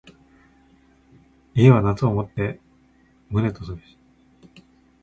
家は夏をもって旨とすべし。